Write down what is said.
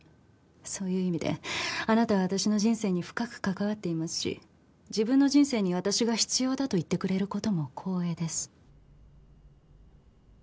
そういう意味であなたは私の人生に深く関わっていますし自分の人生に私が必要だと言ってくれる事も光栄です。